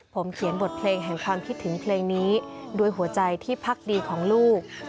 ผมเขียนบทเพลงแห่งความคิดถึงเพลงนี้ด้วยหัวใจที่พักดีของลูก